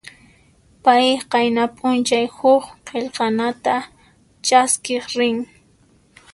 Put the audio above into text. Pay qayna p'unchay huk qillqanata chaskiq rin.